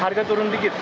harga turun sedikit